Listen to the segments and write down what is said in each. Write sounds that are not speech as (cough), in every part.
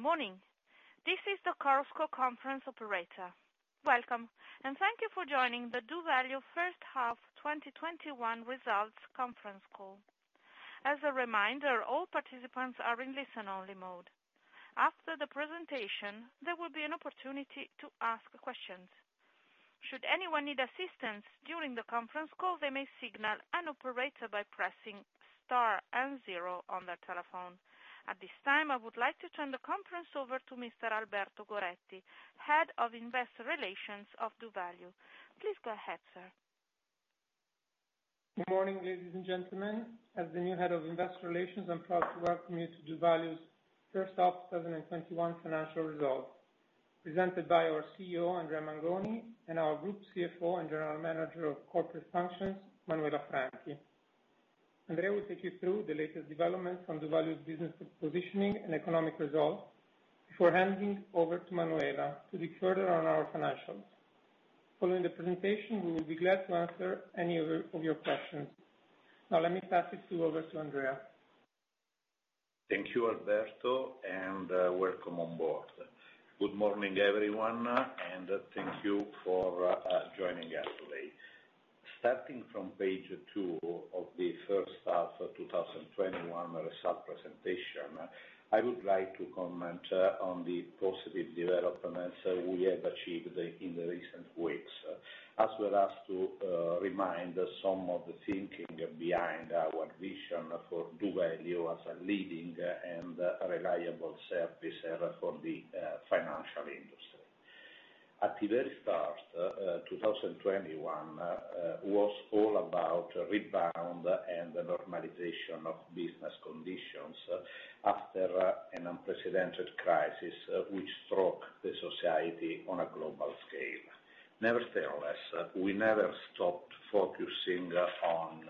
Good morning. This is the Chorus Call conference operator. Welcome, and thank you for joining the doValue first half 2021 results conference call. As a reminder, all participants are in listen-only mode. After the presentation, there will be an opportunity to ask questions. Should anyone need assistance during the conference call, they may signal an operator by pressing star and zero on their telephone. At this time, I would like to turn the conference over to Mr. Alberto Goretti, Head of Investor Relations of doValue. Please go ahead, sir. Good morning, ladies and gentlemen. As the new head of investor relations, I'm proud to welcome you to doValue's first half 2021 financial results, presented by our CEO, Andrea Mangoni, and our Group CFO and General Manager of Corporate Functions, Manuela Franchi. Andrea will take you through the latest developments on doValue's business positioning and economic results before handing over to Manuela to discuss on our financials. Following the presentation, we will be glad to answer any of your questions. Now let me pass it through over to Andrea. Thank you, Alberto, and welcome on board. Good morning, everyone, thank you for joining us today. Starting from page two of the first half of 2021 result presentation, I would like to comment on the positive developments we have achieved in the recent weeks. As well as to remind some of the thinking behind our vision for doValue as a leading and reliable servicer for the financial industry. At the very start, 2021 was all about rebound and the normalization of business conditions after an unprecedented crisis which struck the society on a global scale. Nevertheless, we never stopped focusing on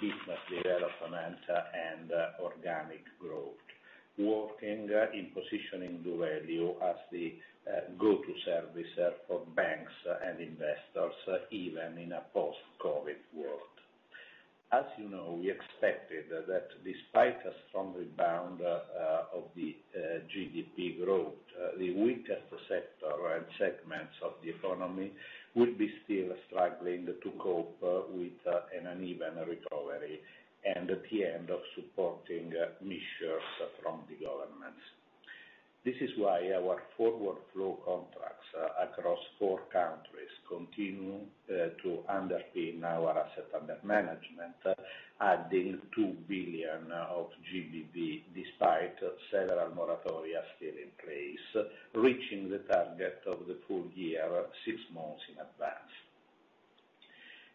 business development and organic growth, working in positioning doValue as the go-to servicer for banks and investors even in a post-COVID world. As you know, we expected that despite a strong rebound of the GDP growth, the weakest sector and segments of the economy will be still struggling to cope with an uneven recovery and the end of supporting measures from the governments. This is why our forward flow contracts across four countries continue to underpin our asset under management, adding 2 billion of GBV despite several moratoria still in place, reaching the target of the full year six months in advance.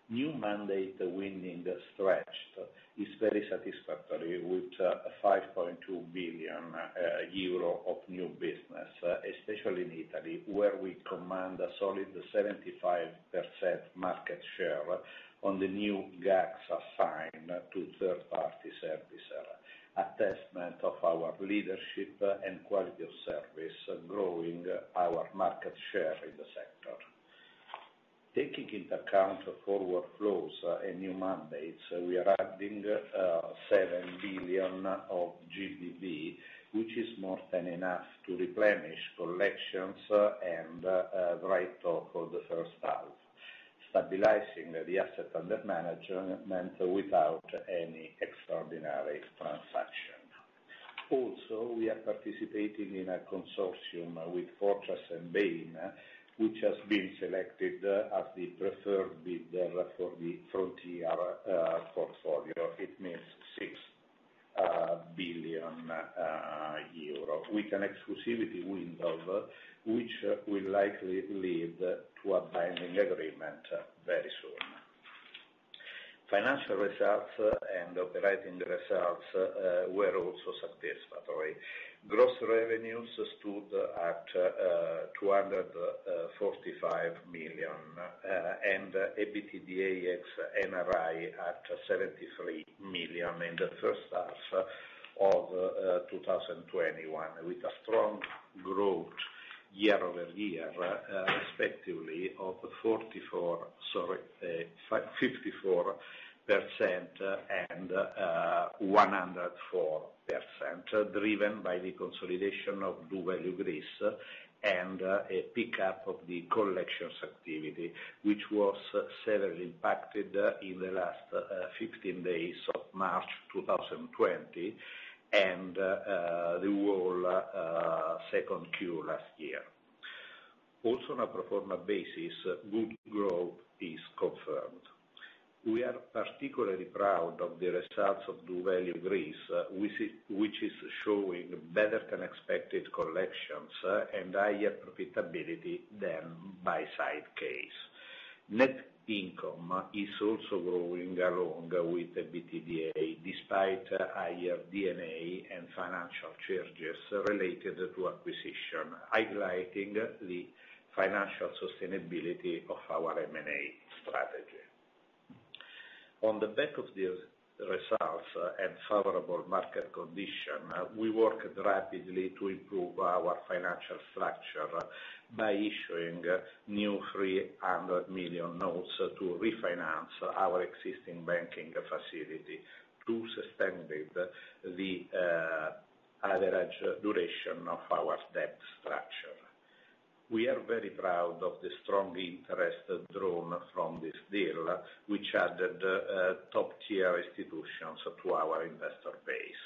New mandate winning stretch is very satisfactory with 5.2 billion euro of new business, especially in Italy, where we command a solid 75% market share on the new GACS assigned to third party servicer. Attestment of our leadership and quality of service, growing our market share in the sector. Taking into account forward flows and new mandates, we are adding 7 billion of GBV, which is more than enough to replenish collections and write-off for the first half, stabilizing the AUM without any extraordinary transaction. We are participating in a consortium with Fortress and Bain, which has been selected as the preferred bidder for the Frontier portfolio. It means 6 billion euro with an exclusivity window, which will likely lead to a binding agreement very soon. Financial results and operating results were also satisfactory. Gross revenues stood at 245 million, and EBITDA ex NRI at 73 million in the first half of 2021, with a strong growth year-over-year, respectively of 54% and 104%, driven by the consolidation of doValue Greece and a pickup of the collections activity, which was severely impacted in the last 15 days of March 2020 and the whole second Q last year. Also on a pro forma basis, good growth is confirmed. We are particularly proud of the results of doValue Greece, which is showing better than expected collections and higher profitability than buy side case. Net income is also growing along with EBITDA, despite higher D&A and financial charges related to acquisition, highlighting the financial sustainability of our M&A strategy. On the back of these results and favorable market condition, we worked rapidly to improve our financial structure by issuing new 300 million notes to refinance our existing banking facility to sustain the average duration of our debt structure. We are very proud of the strong interest drawn from this deal, which added top-tier institutions to our investor base.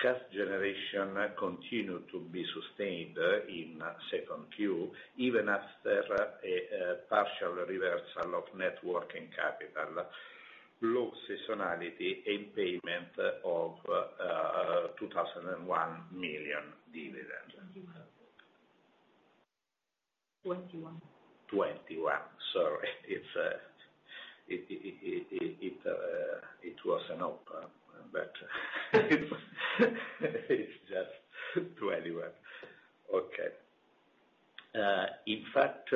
Cash generation continued to be sustained in second Q, even after a partial reversal of net working capital, low seasonality, and payment of EUR 2,001 million dividend. 21. EUR 21 million. Sorry. It was an, (audio distortion) but it's just EUR 21 million. Okay. In fact,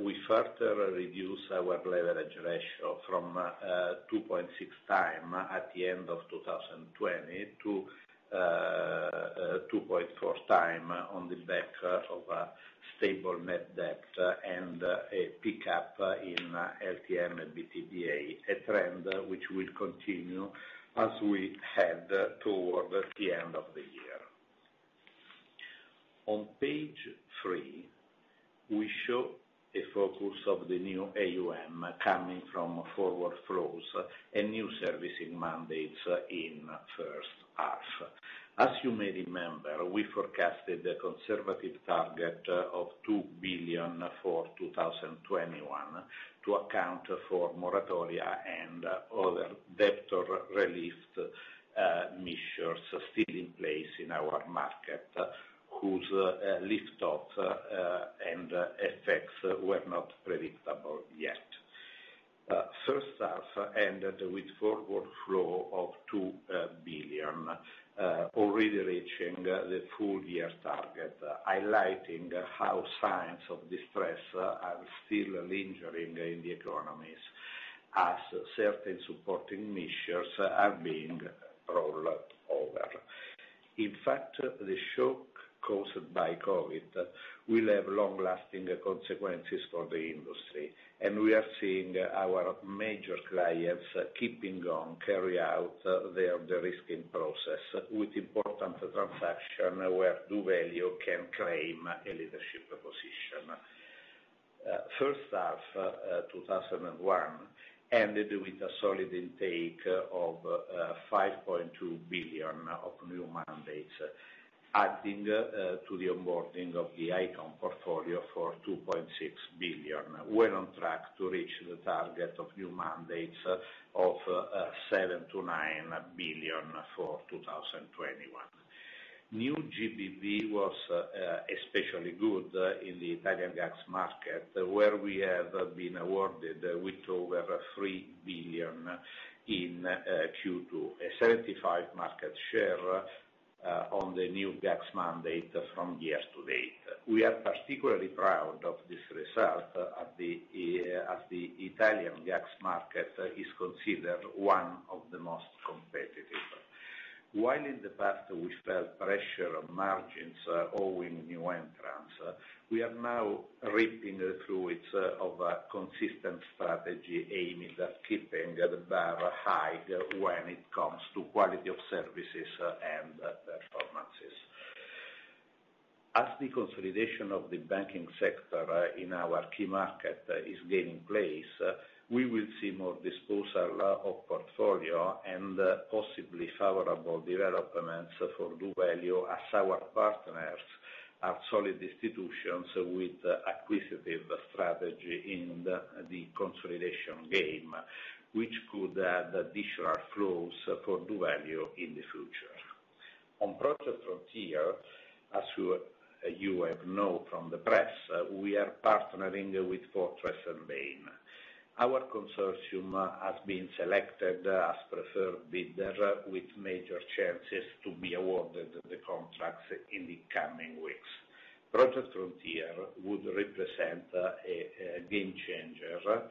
we further reduced our leverage ratio from 2.6 times at the end of 2020 to 2.4 times on the back of stable net debt and a pickup in LTM EBITDA, a trend which will continue as we head toward the end of the year. On page three, we show a focus of the new AUM coming from forward flows and new servicing mandates in the first half. As you may remember, we forecasted a conservative target of 2 billion for 2021 to account for moratoria and other debtor relief measures still in place in our market, whose lift-off and effects were not predictable yet. First half ended with forward flow of 2 billion, already reaching the full year target, highlighting how signs of distress are still lingering in the economies as certain supporting measures are being rolled over. The shock caused by COVID will have long-lasting consequences for the industry, and we are seeing our major clients keeping on carrying out their de-risking process with important transactions where doValue can claim a leadership position. First half 2021 ended with a solid intake of 5.2 billion of new mandates, adding to the onboarding of the Icon portfolio for 2.6 billion. We're on track to reach the target of new mandates of 7 billion-9 billion for 2021. New GBV was especially good in the Italian GACS market, where we have been awarded with over 3 billion in Q2, a 75% market share on the new GACS mandate from year-to-date. We are particularly proud of this result as the Italian GACS market is considered one of the most competitive. While in the past we felt pressure on margins owing to new entrants, we are now reaping the fruits of a consistent strategy aiming at keeping the bar high when it comes to quality of services and performances. As the consolidation of the banking sector in our key market is taking place, we will see more disposal of portfolio and possibly favorable developments for doValue as our partners are solid institutions with acquisitive strategy in the consolidation game, which could add additional flows for doValue in the future. On Project Frontier, as you have known from the press, we are partnering with Fortress and Bain. Our consortium has been selected as preferred bidder with major chances to be awarded the contracts in the coming weeks. Project Frontier would represent a game changer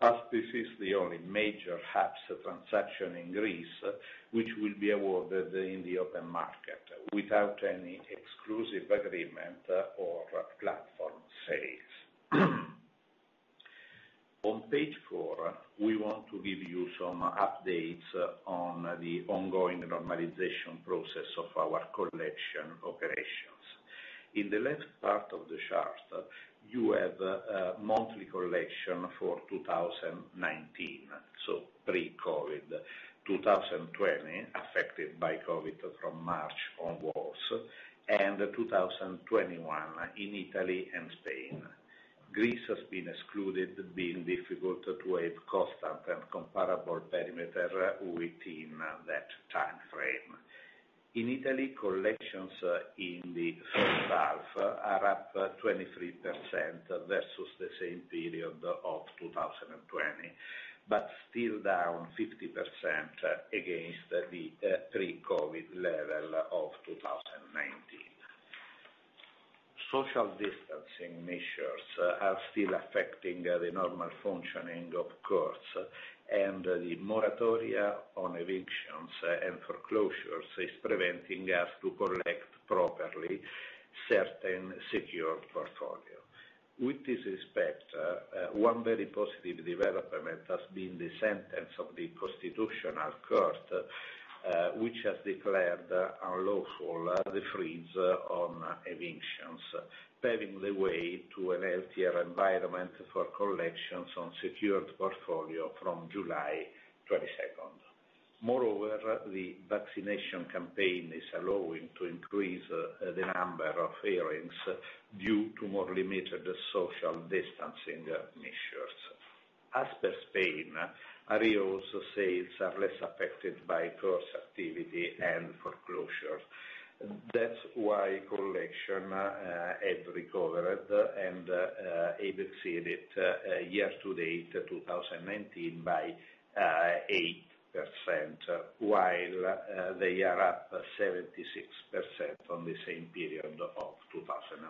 as this is the only major hubs of transaction in Greece, which will be awarded in the open market without any exclusive agreement or platform sales. On page four, we want to give you some updates on the ongoing normalization process of our collection operations. In the left part of the chart, you have monthly collection for 2019, so pre-COVID, 2020, affected by COVID from March onwards, and 2021 in Italy and Spain. Greece has been excluded, being difficult to have constant and comparable perimeter within that time frame. In Italy, collections in the first half are up 23% versus the same period of 2020, but still down 50% against the pre-COVID level of 2019. Social distancing measures are still affecting the normal functioning of courts, and the moratoria on evictions and foreclosures is preventing us to collect properly certain secured portfolio. With this respect, one very positive development has been the sentence of the Constitutional Court, which has declared unlawful the freeze on evictions, paving the way to a healthier environment for collections on secured portfolio from July 22nd. The vaccination campaign is allowing to increase the number of hearings due to more limited social distancing measures. As per Spain, REO sales are less affected by court activity and foreclosure. That's why collection has recovered and exceeded year to date 2019 by 8%, while they are up 76% from the same period of 2020.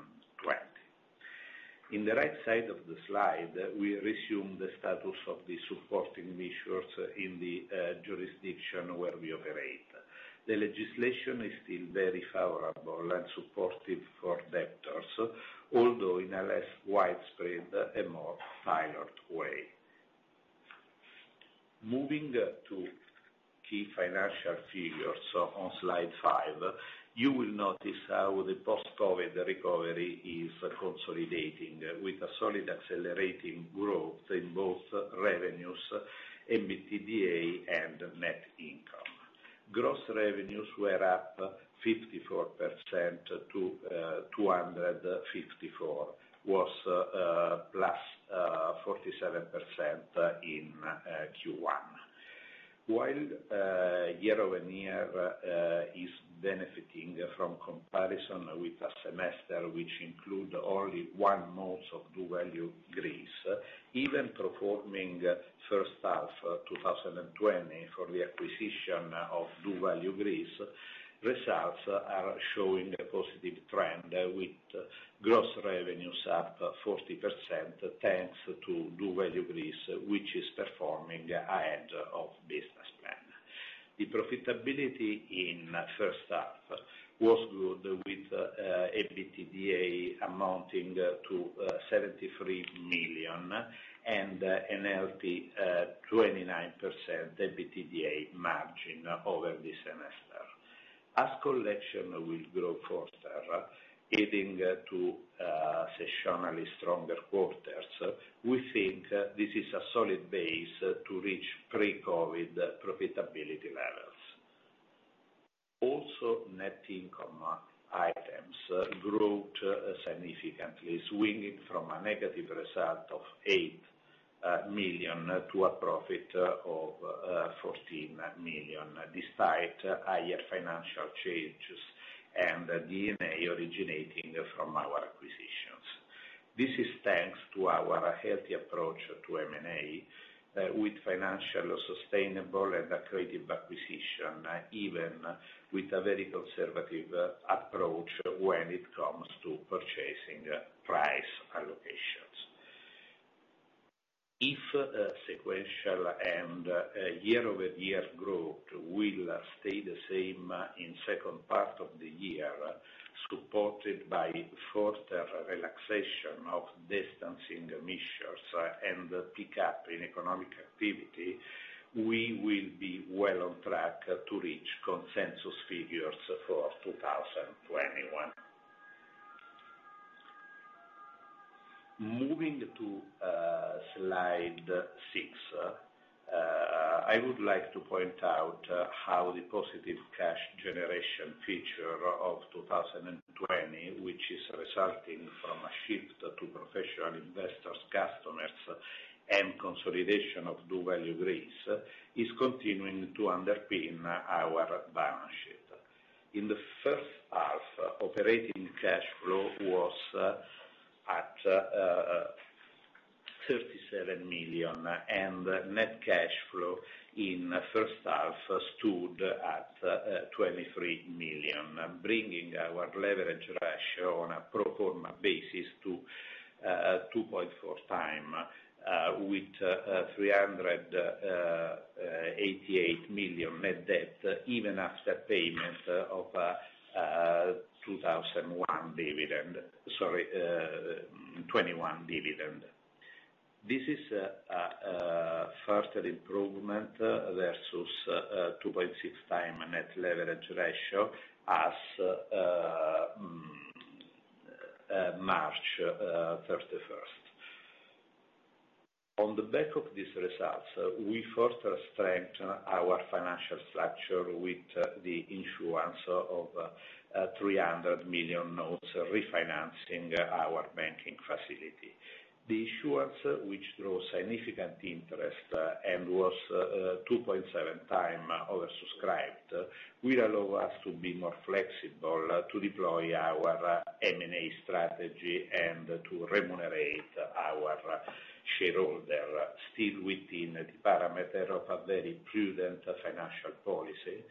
In the right side of the slide, we resume the status of the supporting measures in the jurisdiction where we operate. The legislation is still very favorable and supportive for debtors, although in a less widespread and more silent way. Moving to key financial figures on slide 5, you will notice how the post-COVID recovery is consolidating with a solid accelerating growth in both revenues, EBITDA, and net income. Gross revenues were up 54% to EUR 254, was +47% in Q1. While year-over-year is benefiting from comparison with a semester which include only one month of doValue Greece, even performing first half 2020 for the acquisition of doValue Greece, results are showing a positive trend with gross revenues up 40%, thanks to doValue Greece, which is performing ahead of business plan. The profitability in first half was good, with EBITDA amounting to 73 million and a healthy 29% EBITDA margin over the semester. As collection will grow further, leading to seasonally stronger quarters, we think this is a solid base to reach pre-COVID profitability levels. Net income items growth significantly, swinging from a negative result of 8 million to a profit of 14 million, despite higher financial changes and D&A originating from our acquisitions. This is thanks to our healthy approach to M&A, with financial sustainable and accretive acquisition, even with a very conservative approach when it comes to purchasing price allocations. If sequential and year-over-year growth will stay the same in second part of the year, supported by further relaxation of distancing measures and pickup in economic activity, we will be well on track to reach consensus figures for 2021. Moving to slide six, I would like to point out how the positive cash generation feature of 2020, which is resulting from a shift to professional investors, customers, and consolidation of doValue Greece, is continuing to underpin our balance sheet. In the first half, operating cash flow was at 37 million, and net cash flow in first half stood at 23 million, bringing our leverage ratio on a pro forma basis to 2.4x with 388 million net debt, even after payment of 2001 dividend. Sorry, 2021 dividend. This is a further improvement versus 2.6x net leverage ratio as March 31st. On the back of these results, we further strengthened our financial structure with the issuance of 300 million notes refinancing our banking facility. The issuance, which draws significant interest and was 2.7x oversubscribed, will allow us to be more flexible to deploy our M&A strategy and to remunerate our shareholder. Still within the parameter of a very prudent financial policy,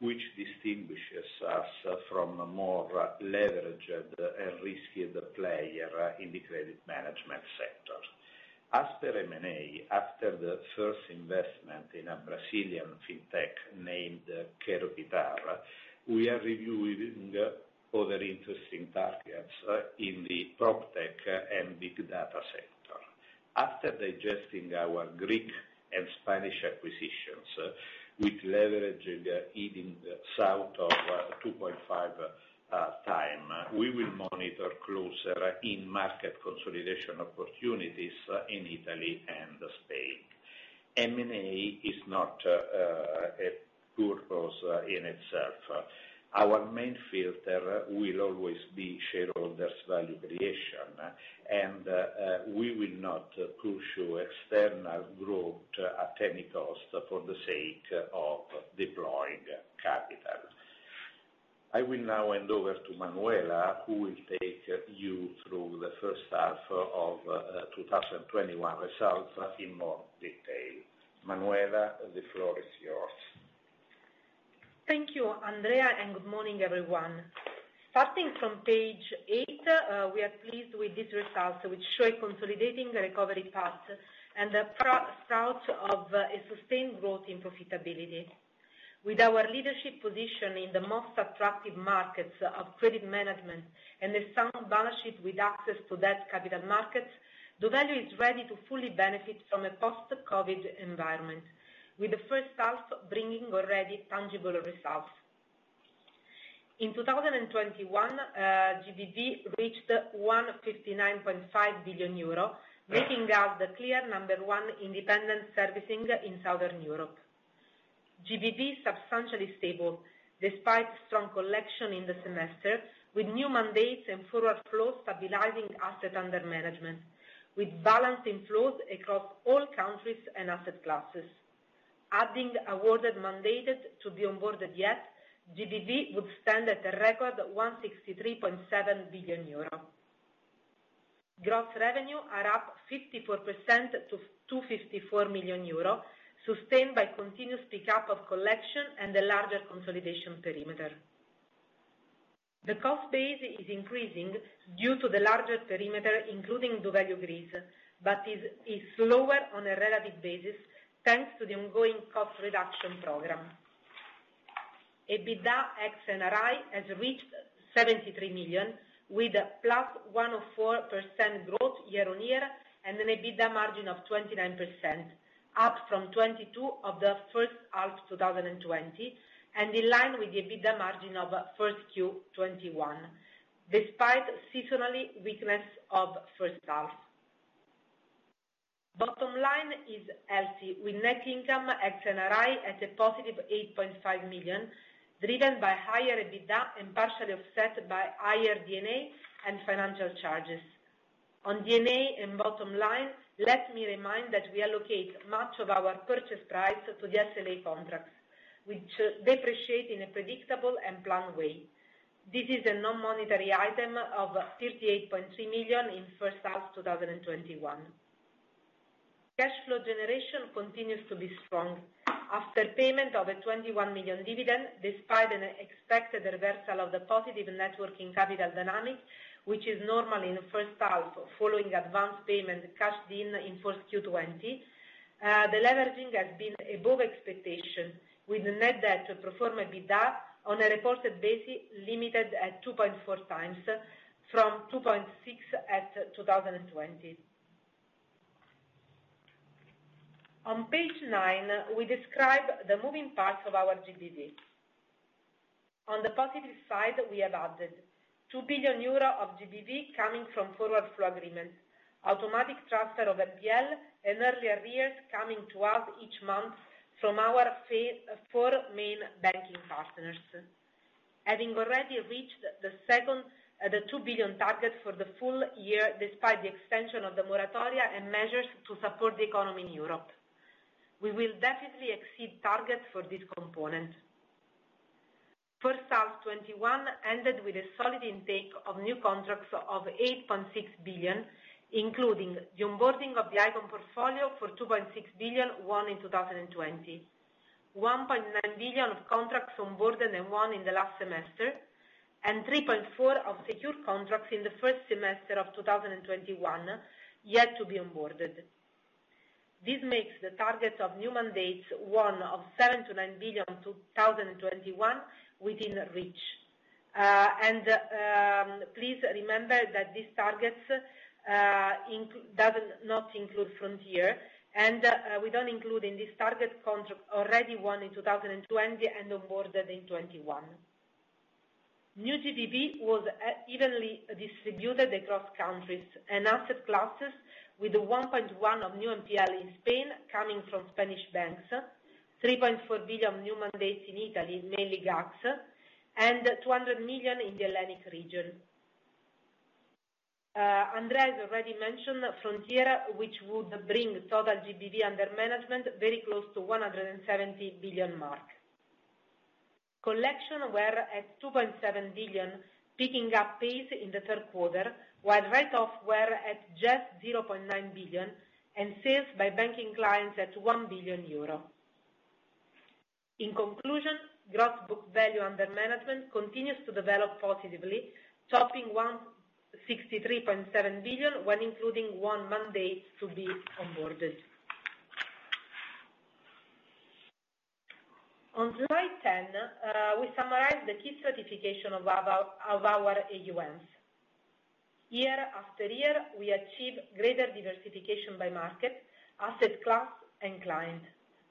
which distinguishes us from a more leveraged and riskier player in the credit management sector. As per M&A, after the first investment in a Brazilian fintech named QueroQuitar, we are reviewing other interesting targets in the PropTech and big data. After digesting our Greek and Spanish acquisitions with leveraging eating south of 2.5 times, we will monitor closer in market consolidation opportunities in Italy and Spain. M&A is not a purpose in itself. Our main filter will always be shareholder value creation, and we will not pursue external growth at any cost for the sake of deploying capital. I will now hand over to Manuela, who will take you through the first half of 2021 results in more detail. Manuela, the floor is yours. Thank you, Andrea, and good morning, everyone. Starting from page eight, we are pleased with these results, which show a consolidating recovery path and the start of a sustained growth in profitability. With our leadership position in the most attractive markets of credit management and a sound balance sheet with access to that capital market, doValue is ready to fully benefit from a post-COVID environment, with the first half bringing already tangible results. In 2021, GBV reached 159.5 billion euro, making us the clear number one independent servicing in Southern Europe. GBV substantially stable despite strong collection in the semester, with new mandates and forward flows stabilizing asset under management, with balance in flows across all countries and asset classes. Adding awarded mandated to be onboarded yet, GBV would stand at a record 163.7 billion euro. Gross revenue are up 54% to 254 million euro, sustained by continuous pick up of collection and a larger consolidation perimeter. The cost base is increasing due to the larger perimeter, including doValue Greece, but is slower on a relative basis, thanks to the ongoing cost reduction program. EBITDA ex NRI has reached 73 million, with a +104% growth year-on-year, and an EBITDA margin of 29%, up from 22% of the first half 2020, and in line with the EBITDA margin of first Q21, despite seasonally weakness of first half. Bottom line is healthy, with net income x NRI at a positive 8.5 million, driven by higher EBITDA and partially offset by higher D&A and financial charges. On D&A and bottom line, let me remind that we allocate much of our purchase price to the SLA contracts, which depreciate in a predictable and planned way. This is a non-monetary item of 38.3 million in first half 2021. Cash flow generation continues to be strong. After payment of a 21 million dividend, despite an expected reversal of the positive net working capital dynamic, which is normal in the first half following advanced payment cashed in first Q 2020. The leveraging has been above expectation, with net debt to pro forma EBITDA on a reported basis limited at 2.4 times from 2.6 at 2020. On page nine, we describe the moving parts of our GBV. On the positive side, we have added 2 billion euro of GBV coming from forward flow agreement, automatic transfer of NPL and early arrears coming to us each month from our four main banking partners. Having already reached the 2 billion target for the full year, despite the extension of the moratoria and measures to support the economy in Europe. We will definitely exceed targets for this component. First half 2021 ended with a solid intake of new contracts of 8.6 billion, including the onboarding of the Icon portfolio for 2.6 billion won in 2020, 1.9 billion of contracts onboarded and won in the last semester, and 3.4 of secure contracts in the first semester of 2021, yet to be onboarded. This makes the target of new mandates won of 7 billion-9 billion to 2021, within reach. Please remember that these targets does not include Frontier, we don't include in this target contract already won in 2020 and onboarded in 2021. New GBV was evenly distributed across countries and asset classes with 1.1 of new NPL in Spain coming from Spanish banks, 3.4 billion new mandates in Italy, mainly GACS, and 200 million in the Hellenic region. Andrea has already mentioned Frontier, which would bring total GBV under management very close to 170 billion mark. Collections were at 2.7 billion, picking up pace in the third quarter, while write-offs were at just 0.9 billion, and sales by banking clients at 1 billion euro. In conclusion, Gross Book Value under management continues to develop positively, topping 163.7 billion when including won mandates to be onboarded. On slide 10, we summarize the key certification of our AUMs. Year after year, we achieve greater diversification by market, asset class, and client,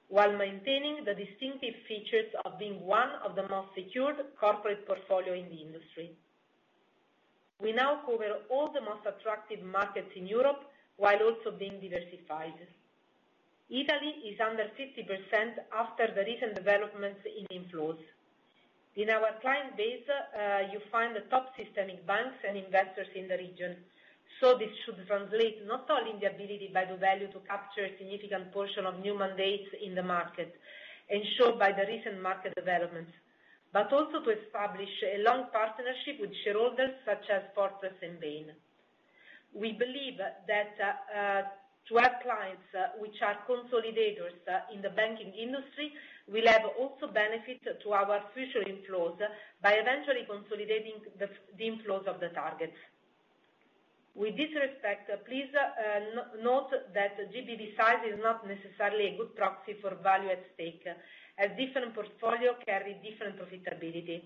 while maintaining the distinctive features of being one of the most secured corporate portfolio in the industry. We now cover all the most attractive markets in Europe, while also being diversified. Italy is under 50% after the recent developments in inflows. In our client base, you find the top systemic banks and investors in the region. This should translate not only the ability by doValue to capture a significant portion of new mandates in the market, ensured by the recent market developments, but also to establish a long partnership with shareholders such as Fortress and Bain. We believe that to have clients which are consolidators in the banking industry will have also benefit to our future inflows by eventually consolidating the inflows of the targets. With this respect, please note that the GBV size is not necessarily a good proxy for value at stake, as different portfolio carry different profitability.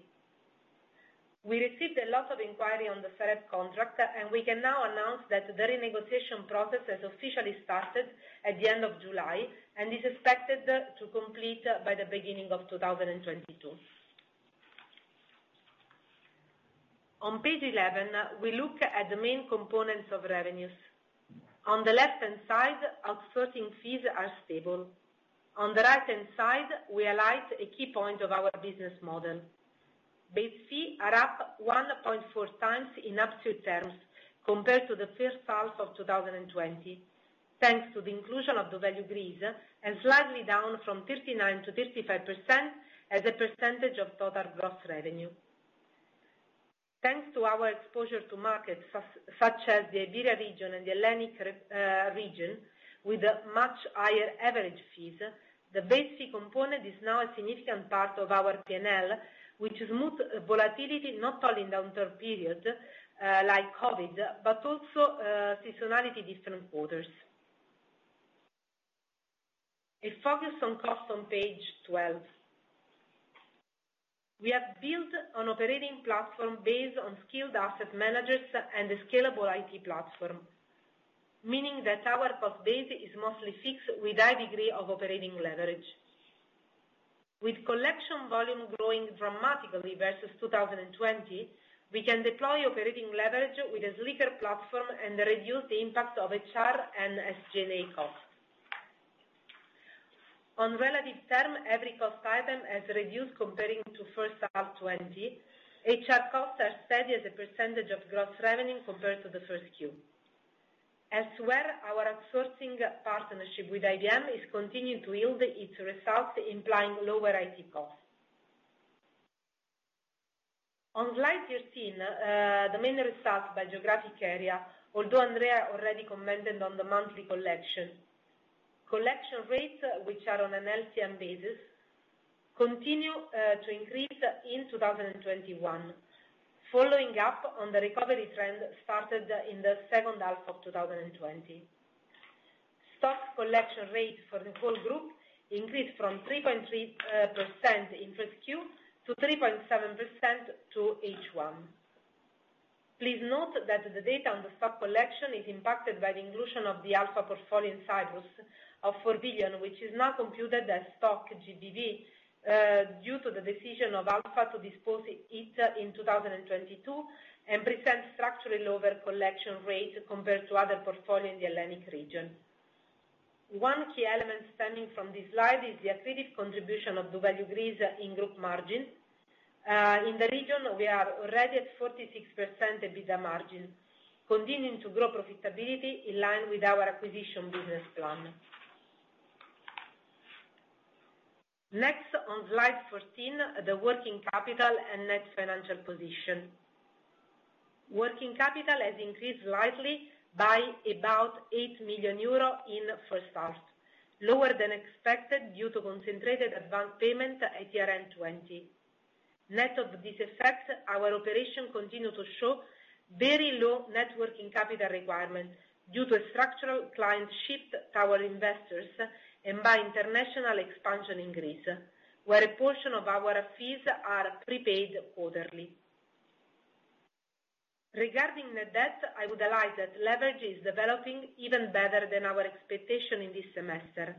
We received a lot of inquiry on the Sareb contract, and we can now announce that the renegotiation process has officially started at the end of July and is expected to complete by the beginning of 2022. On page 11, we look at the main components of revenues. On the left-hand side, outsourcing fees are stable. On the right-hand side, we highlight a key point of our business model. Base fee are up 1.4x in absolute terms compared to the first half of 2020, thanks to the inclusion of doValue Greece, and slightly down from 39%-35% as a % of total gross revenue. Thanks to our exposure to markets such as the Iberia region and the Hellenic region, with much higher average fees, the base fee component is now a significant part of our P&L, which smooth volatility not only in downturn period, like COVID, but also seasonality different quarters. A focus on cost on page 12. We have built an operating platform based on skilled asset managers and a scalable IT platform, meaning that our cost base is mostly fixed with high degree of operating leverage. With collection volume growing dramatically versus 2020, we can deploy operating leverage with a sleeker platform and reduce the impact of HR and SG&A cost. On relative term, every cost item has reduced comparing to first half 2020. HR costs are steady as a percentage of gross revenue compared to the first Q. Our outsourcing partnership with IBM is continuing to yield its results, implying lower IT costs. On slide 13, the main results by geographic area, although Andrea already commented on the monthly collection. Collection rates, which are on an LTM basis, continue to increase in 2021, following up on the recovery trend started in the second half of 2020. Stock collection rate for the whole group increased from 3.3% in Q2 to 3.7% to H1. Please note that the data on the stock collection is impacted by the inclusion of the Alpha portfolio in Cyprus of 4 billion, which is now computed as stock GBV due to the decision of Alpha to dispose it in 2022 and present structurally lower collection rate compared to other portfolio in the Hellenic region. One key element stemming from this slide is the accretive contribution of doValue Greece in group margin. In the region, we are already at 46% EBITDA margin, continuing to grow profitability in line with our acquisition business plan. Next, on slide 14, the working capital and net financial position. Working capital has increased slightly by about 8 million euro in first half, lower than expected due to concentrated advanced payment at year end 2020. Net of this effect, our operation continue to show very low net working capital requirements due to a structural client shift to our investors and by international expansion in Greece, where a portion of our fees are prepaid quarterly. Regarding the debt, I would highlight that leverage is developing even better than our expectation in this semester.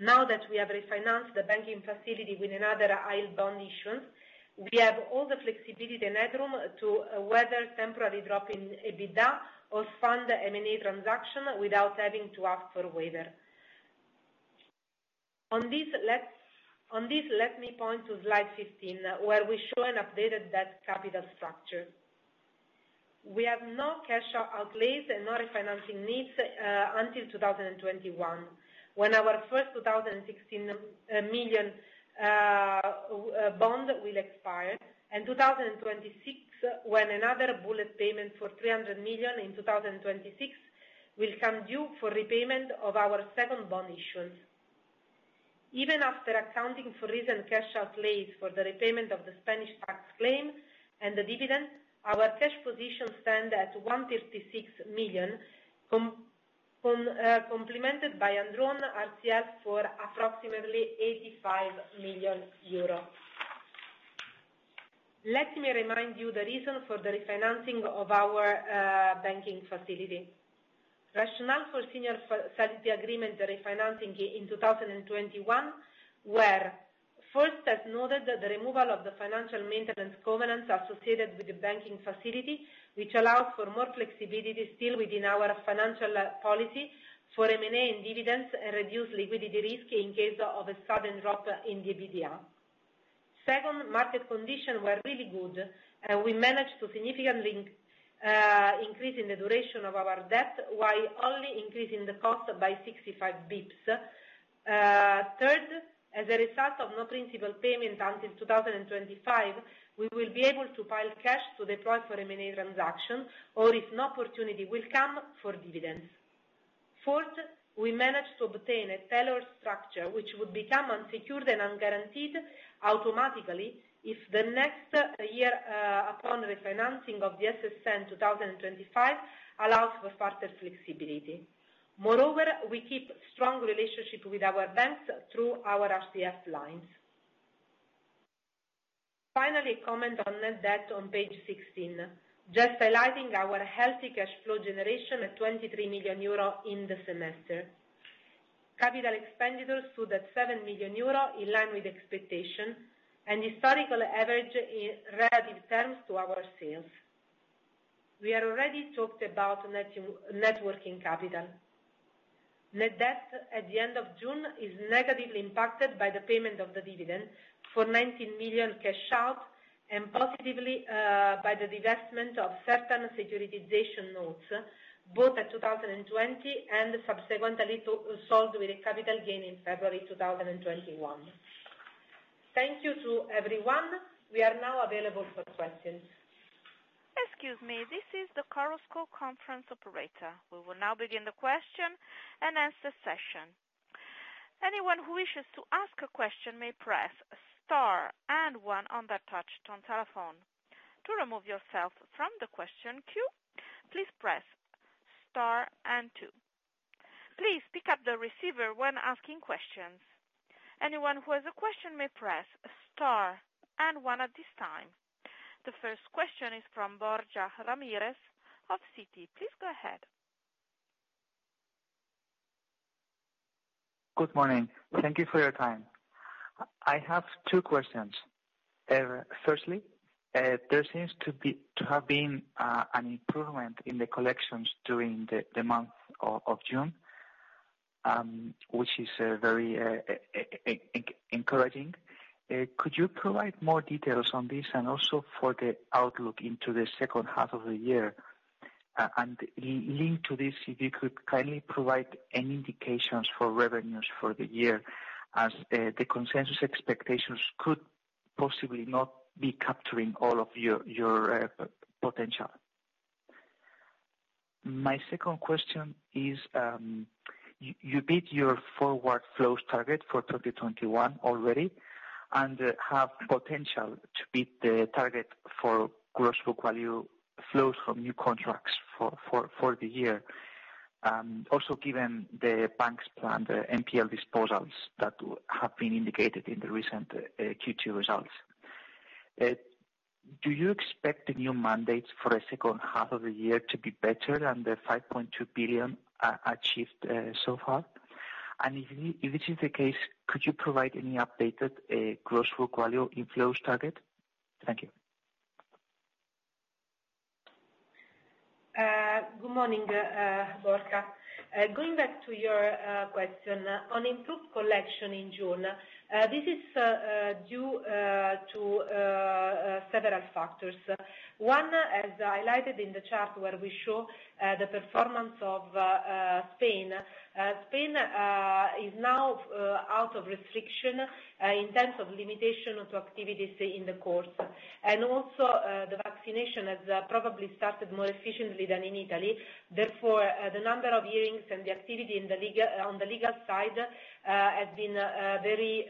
Now that we have refinanced the banking facility with another high bond issue, we have all the flexibility and headroom to weather temporary drop in EBITDA or fund M&A transaction without having to ask for waiver. On this, let me point to slide 15, where we show an updated debt capital structure. We have no cash outlays and no refinancing needs, until 2021, when our first 2,016 million bond will expire, and 2026, when another bullet payment for 300 million in 2026 will come due for repayment of our second bond issuance. Even after accounting for recent cash outlays for the repayment of the Spanish tax claim and the dividend, our cash position stand at 156 million Complemented by undrawn RCF for approximately 85 million euros. Let me remind you the reason for the refinancing of our banking facility. Rationale for senior facility agreement refinancing in 2021 were, first, as noted, the removal of the financial maintenance covenants associated with the banking facility, which allows for more flexibility still within our financial policy for M&A and dividends and reduced liquidity risk in case of a sudden drop in the EBITDA. Second, market conditions were really good, and we managed to significantly increase the duration of our debt while only increasing the cost by 65 bps. As a result of no principal payment until 2025, we will be able to pile cash to deploy for M&A transaction, or if an opportunity will come, for dividends. We managed to obtain a tailored structure which would become unsecured and unguaranteed automatically if the next year upon refinancing of the SSN 2025 allows for further flexibility. We keep strong relationship with our banks through our RCF lines. A comment on net debt on page 16. Just highlighting our healthy cash flow generation of 23 million euro in the semester. Capital expenditures stood at 7 million euro, in line with expectation, and historical average in relative terms to our sales. We already talked about net working capital. Net debt at the end of June is negatively impacted by the payment of the dividend for 19 million cash out, and positively by the divestment of certain securitization notes, both at 2020 and subsequently sold with a capital gain in February 2021. Thank you to everyone. We are now available for questions. Excuse me, this is the Chorus Call Conference operator. We will now begin the question-and-answer session. Anyone who wishes to ask a question may press star and one on their touch-tone telephone. To remove yourself from the question queue, please press star and two. Please pick up the receiver when asking questions. Anyone who has a question may press star and one at this time. The first question is from Borja Ramirez of Citi. Please go ahead. Good morning. Thank you for your time. I have two questions. Firstly, there seems to have been an improvement in the collections during the month of June, which is very encouraging. Could you provide more details on this, and also for the outlook into the second half of the year? Linked to this, if you could kindly provide any indications for revenues for the year, as the consensus expectations could possibly not be capturing all of your potential. My second question is, you beat your forward flows target for 2021 already and have potential to beat the target for gross book value flows from new contracts for the year. Also given the bank's plan, the NPL disposals that have been indicated in the recent Q2 results. Do you expect the new mandates for the second half of the year to be better than the 5.2 billion achieved so far? If this is the case, could you provide any updated Gross Book Value inflows target? Thank you. Good morning, Borja. Going back to your question on improved collection in June. This is due to several factors. One, as highlighted in the chart where we show the performance of Spain. Spain is now out of restriction in terms of limitation onto activities in the courts. Also, the vaccination has probably started more efficiently than in Italy. Therefore, the number of hearings and the activity on the legal side has been very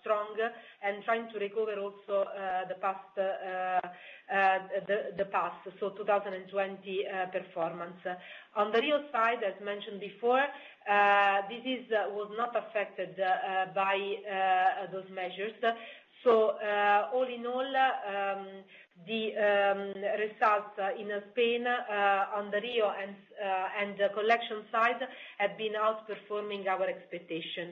strong and trying to recover also the past, so 2020 performance. On the REO side, as mentioned before, this was not affected by those measures. All in all, the results in Spain on the REO and collection side have been outperforming our expectation.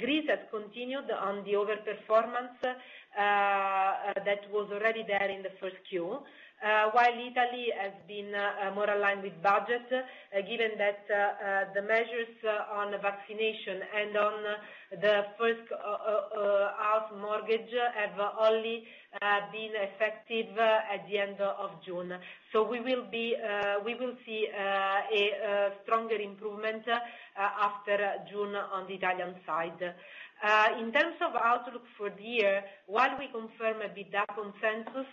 Greece has continued on the over-performance that was already there in the first Q, while Italy has been more aligned with budget, given that the measures on vaccination and on the first half mortgage have only been effective at the end of June. We will see a stronger improvement after June on the Italian side. In terms of outlook for the year, while we confirm a bit that consensus,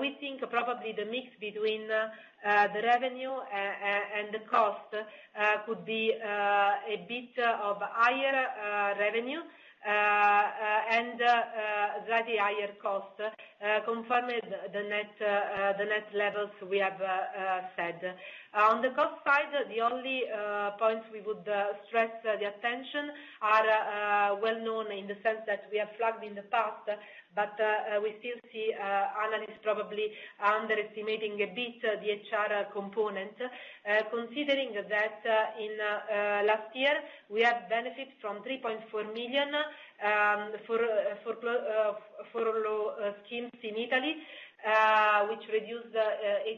we think probably the mix between the revenue and the cost could be a bit of higher revenue and slightly higher cost confirmed the net levels we have said. On the cost side, the only points we would stress the attention are well-known in the sense that we have flagged in the past, but we still see analysts probably underestimating a bit the HR component. Considering that in last year we had benefit from 3.4 million for furlough schemes in Italy, which reduced the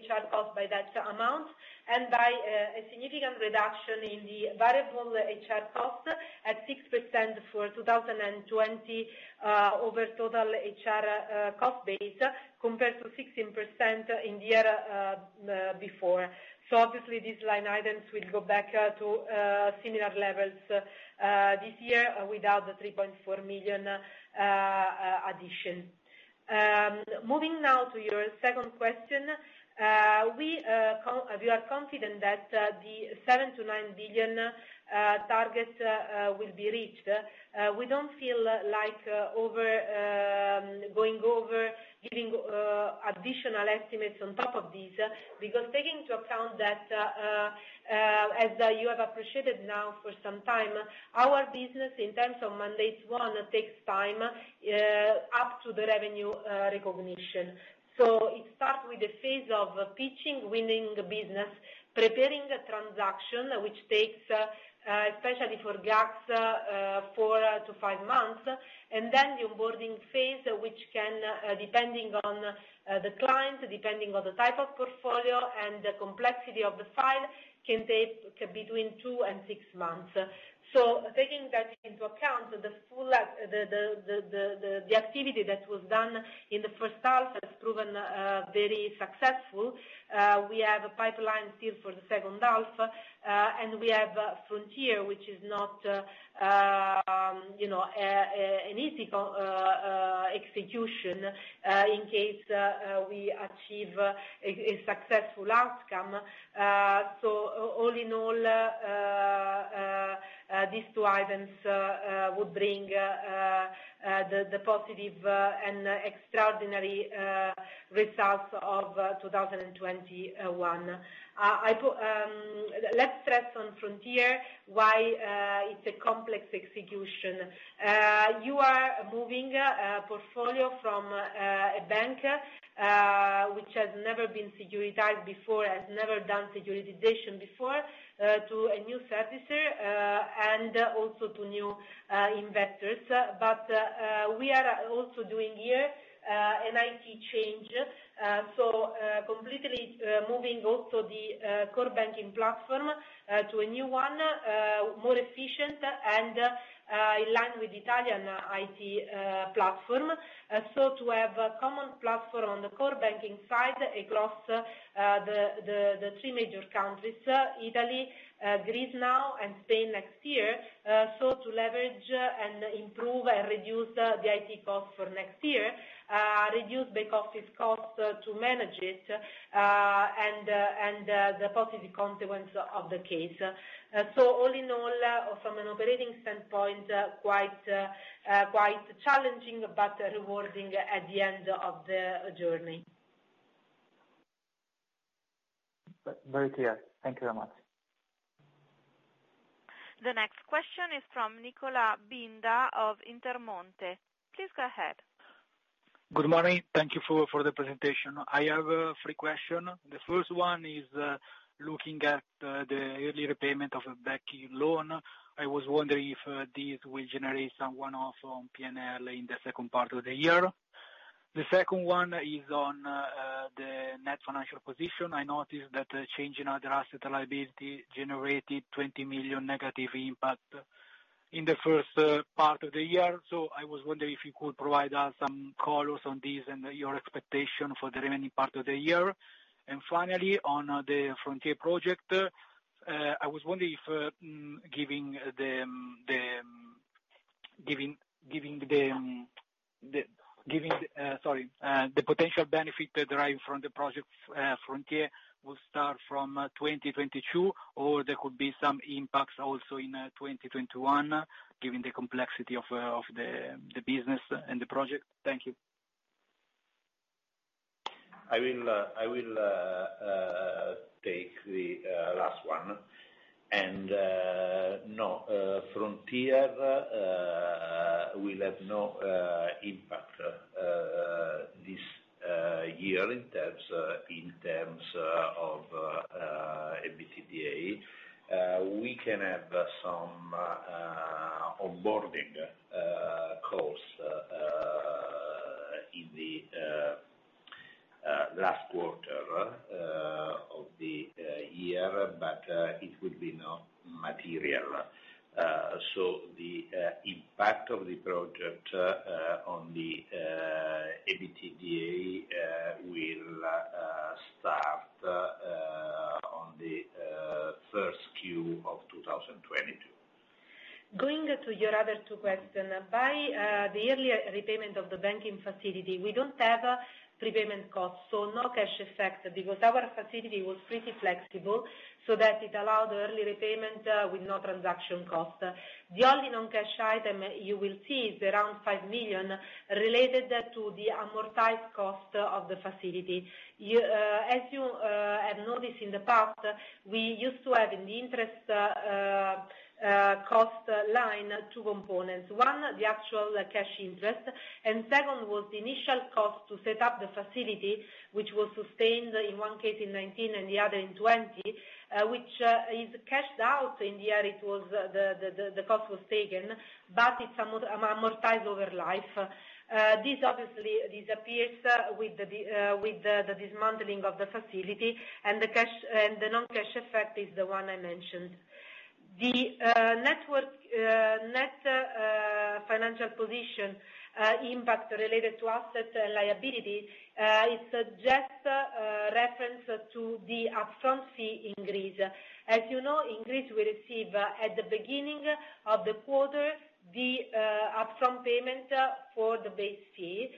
HR cost by that amount, and by a significant reduction in the variable HR cost at 6% for 2020 over total HR cost base, compared to 16% in the year before. Obviously these line items will go back to similar levels this year without the 3.4 million addition. Moving now to your second question. We are confident that the 7 billion to 9 billion target will be reached. We don't feel like going over giving additional estimates on top of this, because taking into account that, as you have appreciated now for some time, our business in terms of mandates won takes time up to the revenue recognition. It starts with the phase of pitching, winning the business, preparing the transaction, which takes, especially for GACS, four to five-months, and then the onboarding phase, which can, depending on the client, depending on the type of portfolio and the complexity of the file, can take between two and six months. Taking that into account, the activity that was done in the first half has proven very successful. We have a pipeline still for the second half, and we have Frontier, which is not an easy execution, in case we achieve a successful outcome. All in all, these two items would bring the positive and extraordinary results of 2021. Let's stress on Frontier why it's a complex execution. You are moving a portfolio from a bank which has never been securitized before, has never done securitization before, to a new servicer, and also to new investors. We are also doing here an IT change. Completely moving also the core banking platform to a new one, more efficient and in line with Italian IT platform. To have a common platform on the core banking side across the three major countries, Italy, Greece now, and Spain next year. To leverage and improve and reduce the IT cost for next year, reduce the cost to manage it, and the positive consequence of the case. All in all, from an operating standpoint, quite challenging, but rewarding at the end of the journey. Very clear. Thank you very much. The next question is from Nicholas Binda of Intermonte. Please go ahead. Good morning. Thank you for the presentation. I have three questions. The first one is looking at the early repayment of a banking loan. I was wondering if this will generate some one-off on P&L in the second part of the year. The second one is on the net financial position. I noticed that change in other asset liability generated 20 million negative impact in the first part of the year. I was wondering if you could provide us some colors on this and your expectation for the remaining part of the year. Finally, on the Project Frontier, I was wondering if the potential benefit derived from the Project Frontier will start from 2022, or there could be some impacts also in 2021 given the complexity of the business and the project? Thank you. I will take the last one. No, Frontier will have no impact this year in terms of EBITDA. We can have some onboarding costs in the last quarter of the year, but it will be not material. The impact of the project on the EBITDA will start First Q of 2022. Going to your other two questions. By the earlier repayment of the banking facility, we don't have prepayment costs, so no cash effect, because our facility was pretty flexible, so that it allowed early repayment with no transaction cost. The only non-cash item you will see is around 5 million related to the amortized cost of the facility. As you have noticed in the past, we used to have, in the interest cost line, two components. 1, the actual cash interest, and two was the initial cost to set up the facility, which was sustained in one case in 2019 and the other in 2020, which is cashed out in the year the cost was taken, but it's amortized over life. This obviously disappears with the dismantling of the facility, and the non-cash effect is the one I mentioned. The net financial position impact related to assets and liability, it suggests a reference to the upfront fee increase. As you know, increase we receive at the beginning of the quarter, the upfront payment for the base fee.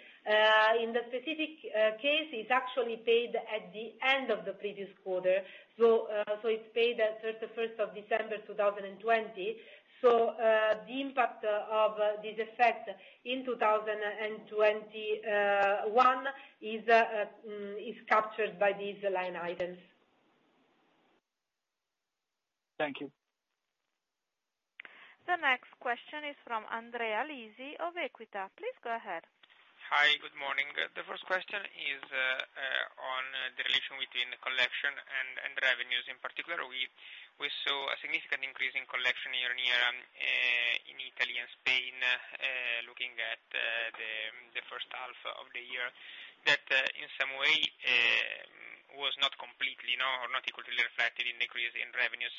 In the specific case, it's actually paid at the end of the previous quarter. It's paid at 31st December 2020. The impact of this effect in 2021 is captured by these line items. Thank you. The next question is from Andrea Lisi of Equita. Please go ahead. Hi, good morning. The first question is on the relation between collection and revenues. In particular, we saw a significant increase in collection year-on-year in Italy and Spain, looking at the first half of the year, that in some way was not completely known or not equally reflected in increase in revenue.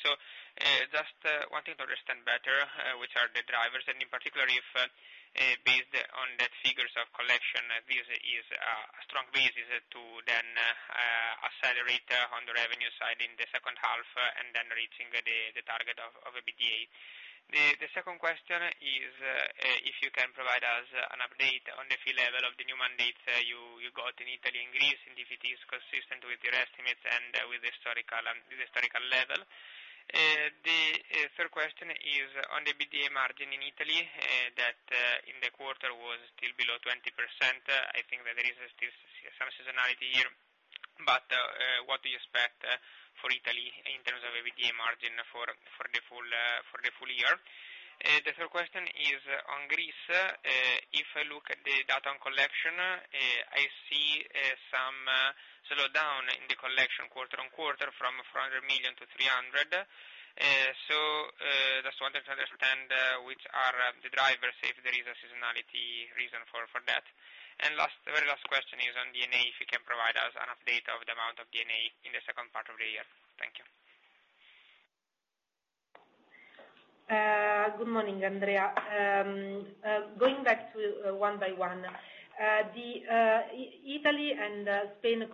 I am just wanting to understand better which are the drivers, and in particular, if based on the figures of collection, this is a strong basis to then accelerate on the revenue side in the second half, and then reaching the target of EBITDA. The second question is if you can provide us an update on the fee level of the new mandates you got in Italy and Greece, and if it is consistent with your estimates and with the historical level. The third question is on the EBITDA margin in Italy, that in the quarter was still below 20%. I think that there is still some seasonality here, what do you expect for Italy in terms of EBITDA margin for the full year? The third question is on Greece. If I look at the data on collection, I see some slowdown in the collection quarter-on-quarter from 400 million to 300 million. Just wanted to understand which are the drivers, if there is a seasonality reason for that. Very last question is on D&A, if you can provide us an update of the amount of D&A in the second part of the year. Thank you. Good morning, Andrea. Going back to one by one. The Italy and Spain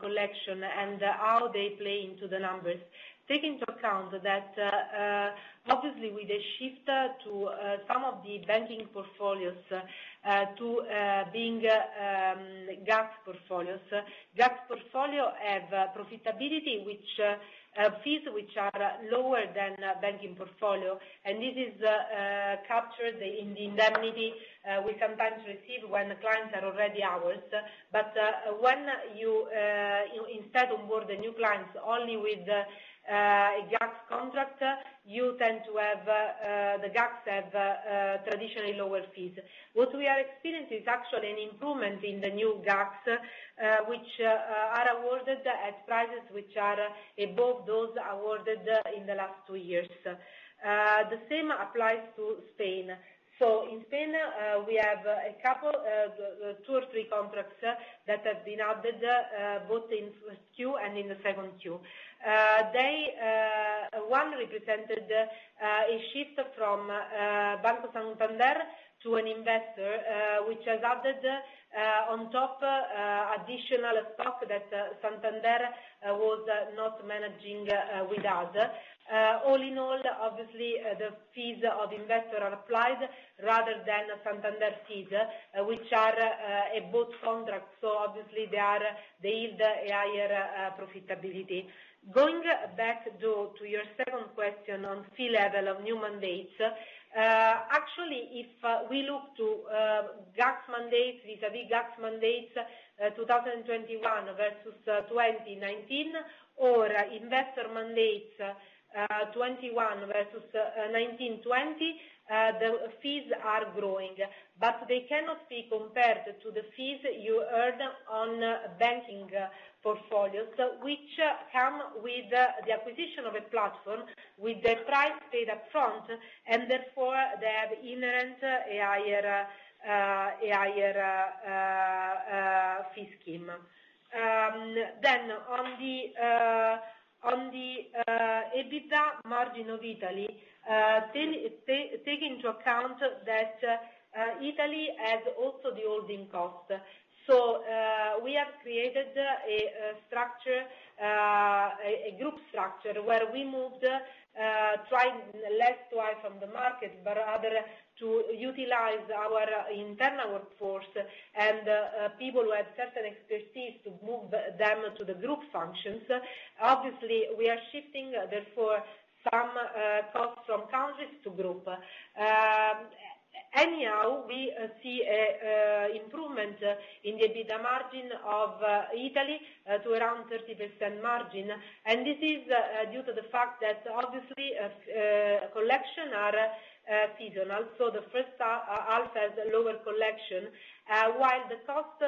collection, and how they play into the numbers. Take into account that, obviously, with a shift to some of the banking portfolios to being GACS portfolios. GACS portfolio have profitability fees which are lower than banking portfolio, and this is captured in the indemnity we sometimes receive when clients are already ours. When you instead onboard the new clients only with a GACS contract, the GACS have traditionally lower fees. What we are experiencing is actually an improvement in the new GACS, which are awarded at prices which are above those awarded in the last two years. The same applies to Spain. In Spain, we have two or three contracts that have been added, both in the first Q and in the second Q. One represented a shift from Banco Santander to an investor, which has added on top additional stock that Santander was not managing with us. All in all, obviously, the fees of investor are applied rather than Santander fees, which are a bulk contract, obviously they yield a higher profitability. Going back, though, to your second question on fee level of new mandates. Actually, if we look to vis-a-vis GACS mandates 2021 versus 2019, or investor mandates 2021 versus 2019, 2020, the fees are growing. They cannot be compared to the fees you earn on banking portfolios, which come with the acquisition of a platform with the price paid up front, therefore they have inherent a higher fee scheme. On the EBITDA margin of Italy, take into account that Italy has also the holding cost. We have created a group structure where we moved, tried less to buy from the market, but rather to utilize our internal workforce and people who have certain expertise to move them to the group functions. Obviously, we are shifting, therefore, some costs from countries to group. We see improvement in the EBITDA margin of Italy to around 30% margin. This is due to the fact that obviously, collection are seasonal, so the first half has lower collection, while the cost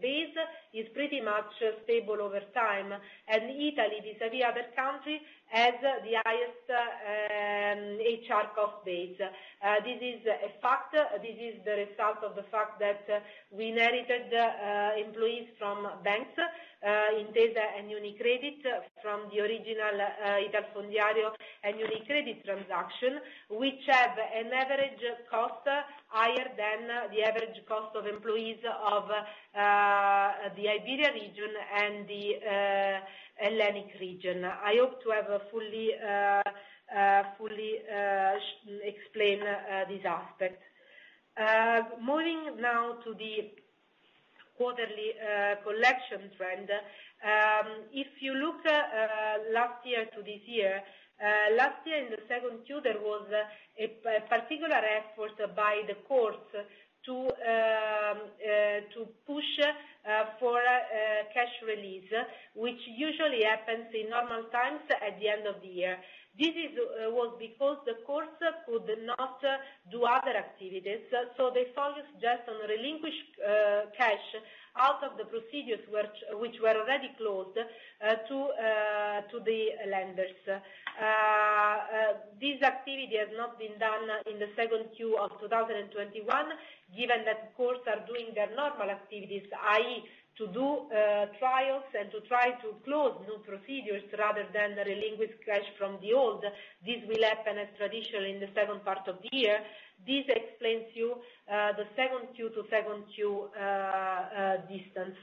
base is pretty much stable over time. Italy, vis-a-vis other country, has the highest HR cost base. This is the result of the fact that we inherited employees from banks, Intesa and UniCredit, from the original Italfondiario and UniCredit transaction, which have an average cost higher than the average cost of employees of the Iberia region and the Hellenic region. I hope to have fully explained this aspect. Moving now to the quarterly collection trend. If you look last year to this year, last year in the second quarter was a particular effort by the courts to push for cash release, which usually happens in normal times at the end of the year. This was because the courts could not do other activities, so they focused just on relinquished cash out of the procedures which were already closed to the lenders. This activity has not been done in the second quarter of 2021, given that courts are doing their normal activities, i.e., to do trials and to try to close new procedures rather than relinquish cash from the old. This will happen as traditional in the second part of the year. This explains to you the second quarter to second quarter distance.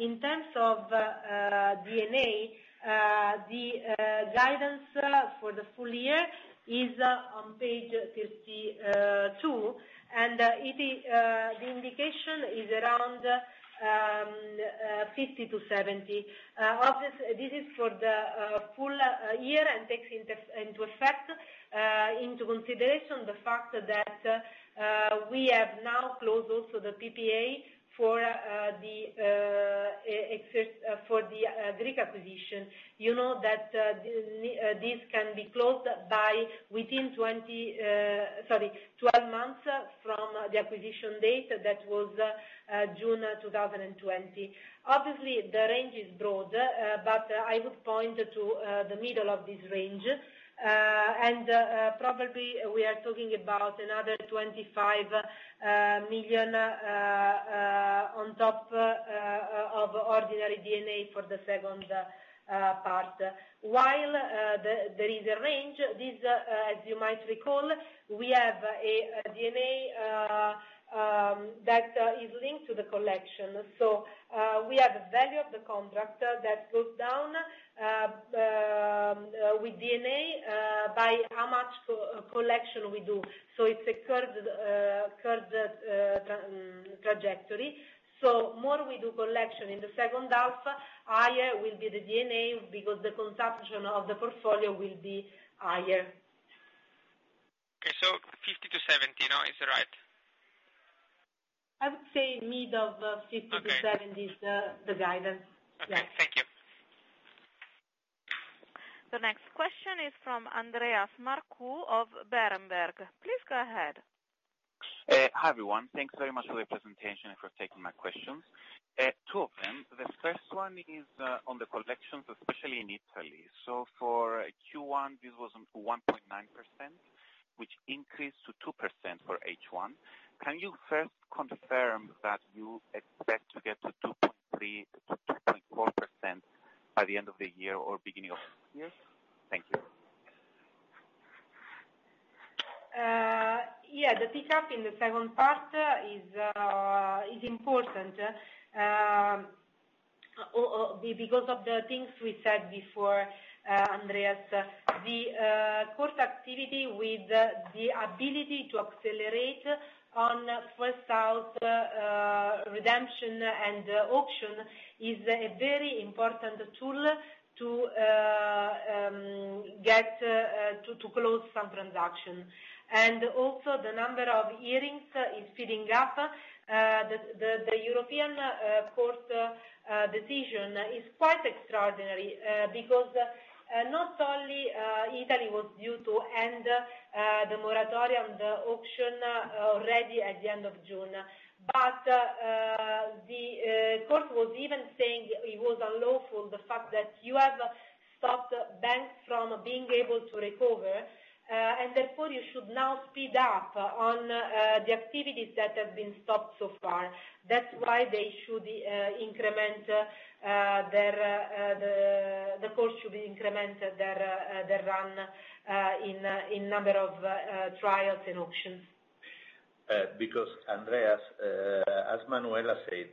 In terms of D&A, the guidance for the full year is on page 32. The indication is around 50-70. Obviously, this is for the full year and takes into consideration the fact that we have now closed also the PPA for the Greek acquisition. You know that this can be closed within 12 months from the acquisition date that was June 2020. Obviously, the range is broad, but I would point to the middle of this range. Probably, we are talking about another 25 million on top of ordinary D&A for the second part. There is a range, as you might recall, we have a D&A that is linked to the collection. We have the value of the contract that goes down with D&A by how much collection we do. It's a curved trajectory. More we do collection in the second half, higher will be the D&A because the consumption of the portfolio will be higher. Okay. 50-70 now is right? I would say mid of 50 to 70 is the guidance. Okay. Thank you. The next question is from Andreas Markou of Berenberg. Please go ahead. Hi, everyone. Thanks very much for the presentation and for taking my questions. Two of them. The first one is on the collections, especially in Italy. For Q1, this was 1.9%, which increased to 2% for H1. Can you first confirm that you expect to get to 2.3%-2.4% by the end of the year or beginning of next year? Thank you. Yeah, the pickup in the second part is important because of the things we said before, Andreas. The court activity with the ability to accelerate on first out redemption and auction is a very important tool to close some transactions. The number of hearings is speeding up. The European Court decision is quite extraordinary. Not only Italy was due to end the moratorium, the auction already at the end of June, the Court was even saying it was unlawful, the fact that you have stopped banks from being able to recover. You should now speed up on the activities that have been stopped so far. That's why The cost should be incremented there than in number of trials and auctions. Andreas, as Manuela said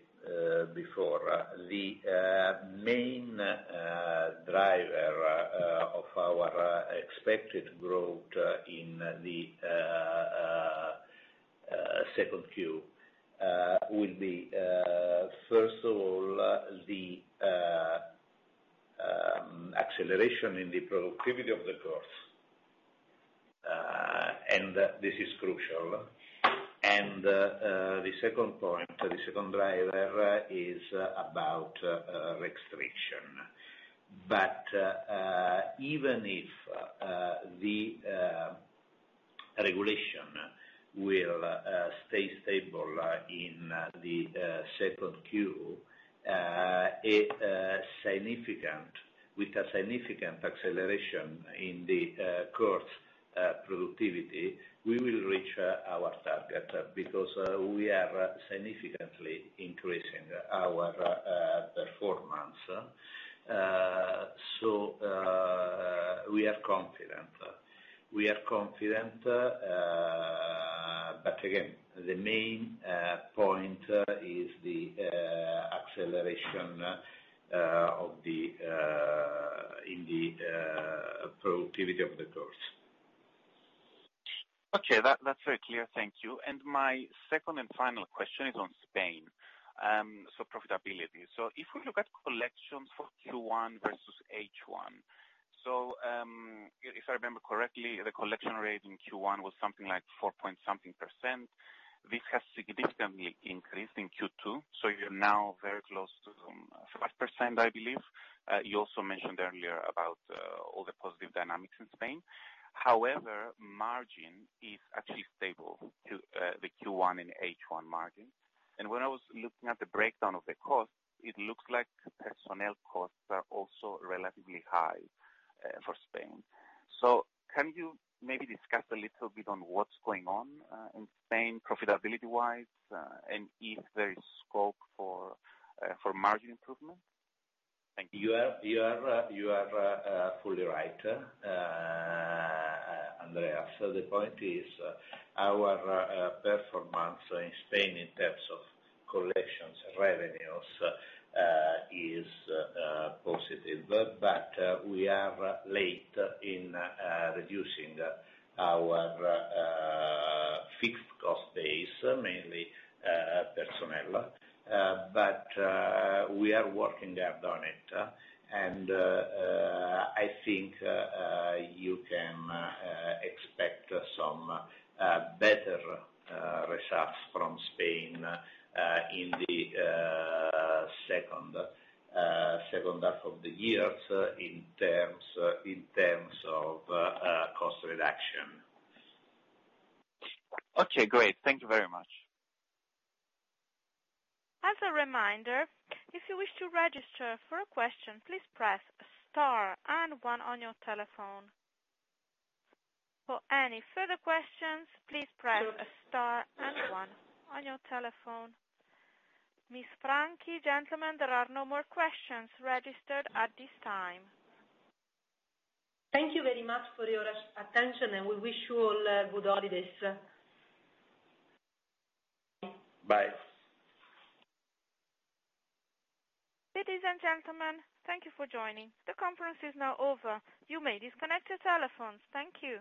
before, the main driver of our expected growth in the second Q will be, first of all, the acceleration in the productivity of the costs. This is crucial. The second point, the second driver is about restriction. Even if the regulation will stay stable in the second Q, with a significant acceleration in the cost productivity, we will reach our target because we are significantly increasing our performance. We are confident. Again, the main point is the acceleration in the productivity of the costs. Okay. That's very clear. Thank you. My second and final question is on Spain. Profitability. If we look at collections for Q1 versus H1, if I remember correctly, the collection rate in Q1 was something like four-point something percent. This has significantly increased in Q2, you're now very close to 5%, I believe. You also mentioned earlier about all the positive dynamics in Spain. However, margin is actually stable to the Q1 and H1 margin. When I was looking at the breakdown of the cost, it looks like personnel costs are also relatively high for Spain. Can you maybe discuss a little bit on what's going on in Spain, profitability-wise, and if there is scope for margin improvement? Thank you. You are fully right, Andreas. The point is, our performance in Spain in terms of collections revenues is positive, but we are late in reducing our fixed cost base, mainly personnel. We are working hard on it. I think you can expect some better results from Spain in the second half of the year in terms of cost reduction. Okay, great. Thank you very much. As a reminder, if you wish to register for a question, please press star and one on your telephone. For any further questions, please press star and one on your telephone. Ms. Franchi, gentlemen, there are no more questions registered at this time. Thank you very much for your attention, and we wish you all good holidays. Bye. Ladies and gentlemen, thank you for joining. The conference is now over. You may disconnect your telephones. Thank you.